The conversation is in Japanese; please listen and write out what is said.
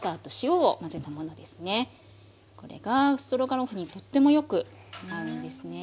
これがストロガノフにとってもよく合うんですね。